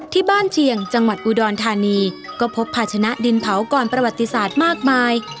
เชียงจังหวัดอุดรธานีก็พบภาชนะดินเผาก่อนประวัติศาสตร์มากมาย